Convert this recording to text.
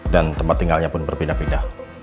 dan tempat tinggalnya pun berbeda beda